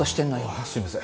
あっすいません。